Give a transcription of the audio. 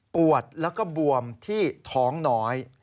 ปวดแล้วก็บวมที่ท้องน้อย